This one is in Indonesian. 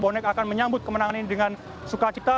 bonek akan menyambut kemenangan ini dengan sukacita